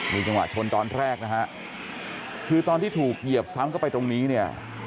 นี่จังหวะชนตอนแรกนะฮะคือตอนที่ถูกเหยียบซ้ำเข้าไปตรงนี้เนี่ย